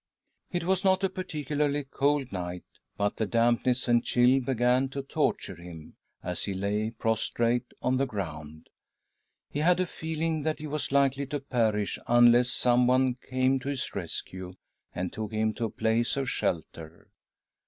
It was not a particularly cold night, but the dampness and chill began to torture him as he lay prostrate on the ground. He had a feeling that he was likely to perish unless someone came to his rescue and took him to a place of shelter.